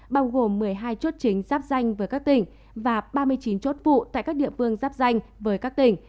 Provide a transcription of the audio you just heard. bao gồm một mươi hai chốt chính giáp danh với các tỉnh và ba mươi chín chốt vụ tại các địa phương giáp danh với các tỉnh